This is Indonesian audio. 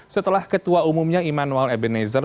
setelah ketua umumnya immanuel ebenezer